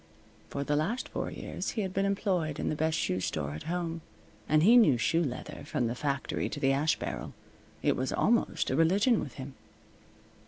For the last four years he had been employed in the best shoe store at home, and he knew shoe leather from the factory to the ash barrel. It was almost a religion with him.